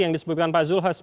yang disebutkan pak zulhas